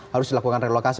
harus dilakukan relokasi